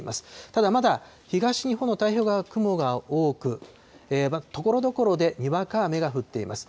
ただ、まだ東日本の太平洋側、雲が多く、ところどころでにわか雨が降っています。